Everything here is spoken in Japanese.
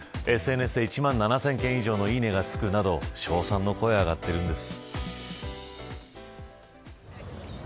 ＳＮＳで１万７０００件以上のいいね、がつくなど称賛の声が上がっているんです。